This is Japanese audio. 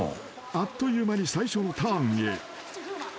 ［あっという間に最初のターンへ］